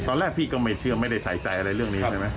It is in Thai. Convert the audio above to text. ตอนแรกพี่ก็ไม่เชื่อไม่ได้ใส่ใจอะไรเรื่องนี้ใช่ไหม